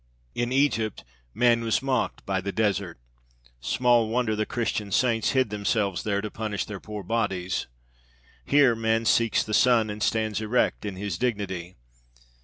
In Egypt man was mocked by the desert. Small wonder the Christian saints hid themselves there to punish their poor bodies! Here man seeks the sun and stands erect in his dignity.